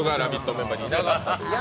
メンバーにいなかったと。